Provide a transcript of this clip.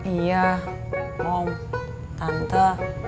iya om tante